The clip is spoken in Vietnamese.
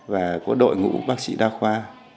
và có đội ngũ bác sĩ đa khoa